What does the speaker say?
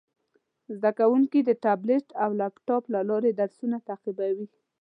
زده کوونکي د ټابلیټ او لپټاپ له لارې درسونه تعقیبوي.